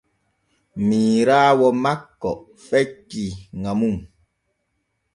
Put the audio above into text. Miiraawo makko fecci ŋa mum.